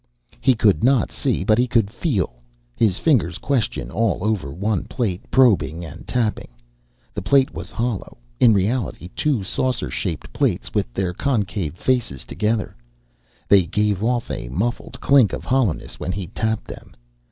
He could not see, but he could feel. His fingers quested all over one plate, probing and tapping. The plate was hollow in reality, two saucer shaped plates with their concave faces together. They gave off a muffled clink of hollowness when he tapped them.